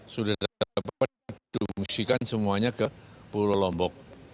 sudah dapat diungsikan semuanya ke pulau lombok